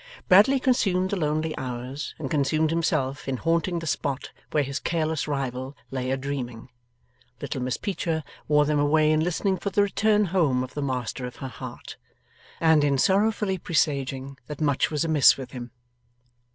Bradley consumed the lonely hours, and consumed himself in haunting the spot where his careless rival lay a dreaming; little Miss Peecher wore them away in listening for the return home of the master of her heart, and in sorrowfully presaging that much was amiss with him.